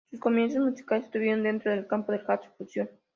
Sus comienzos musicales estuvieron dentro del campo del jazz fusión.